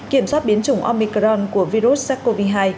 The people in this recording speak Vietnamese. kiểm soát biến chủng omicron của virus sars cov hai